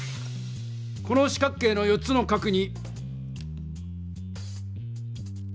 この四角形の４つの角に。